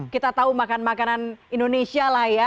kita tahu makan makanan indonesia lah ya